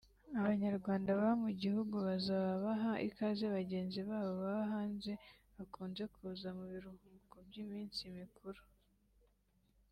Abanyarwanda baba mu gihugu bazaba baha ikaze bagenzi babo baba hanze bakunze kuza mu biruhuko by’iminsi mikuru